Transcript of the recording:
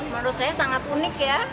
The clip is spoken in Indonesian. menurut saya sangat unik ya